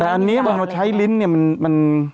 แต่อันนี้มันมาใช้ลิ้นเนี่ยมัน